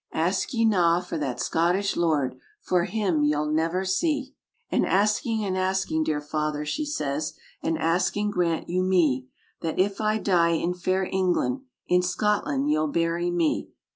"Ask ye na for that Scottish lord, For him ye'll never see!" "An asking, an asking, dear father!" she says, "An asking grant you me; That if I die in fair England, In Scotland ye'll bury me.